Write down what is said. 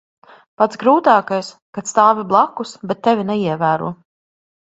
Pats grūtākais - kad stāvi blakus, bet tevi neievēro.